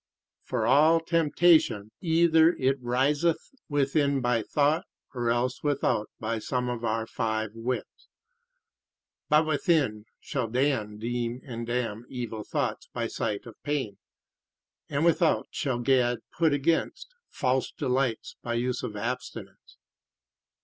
For all temptation either it riseth within by thought, or else without by some of our five wits. But within shall Dan deem and damn evil thoughts by sight of pain; and without shall Gad put against false delights by use of abstinence.